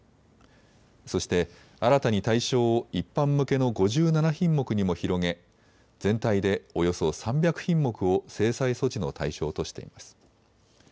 そして新たに対象を一般向けの５７品目にも広げ全体でおよそ３００品目を制裁措置の対象としています。